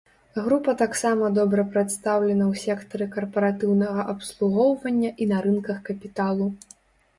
Група таксама добра прадстаўлена ў сектары карпаратыўнага абслугоўвання і на рынках капіталу.